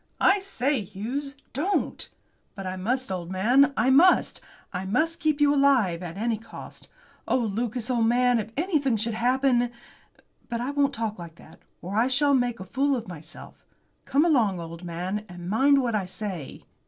"I say, Hughes, don't!" "But I must, old man, I must. I must keep you alive, at any cost. Oh, Lucas, old man, if anything should happen But I won't talk like that, or I shall make a fool of myself. Come along, old man, and mind what I say.